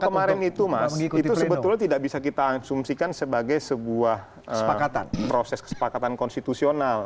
kemarin itu mas itu sebetulnya tidak bisa kita asumsikan sebagai sebuah proses kesepakatan konstitusional